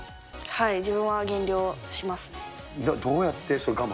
はい、自分は減量しますね。